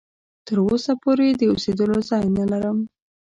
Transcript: تر اوسه پوري د اوسېدلو ځای نه لرم.